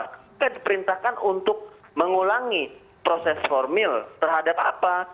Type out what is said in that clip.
kita diperintahkan untuk mengulangi proses formil terhadap apa